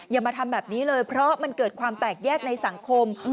อย่ามาทำแบบนี้เลยเพราะมันเกิดความแตกแยกในสังคม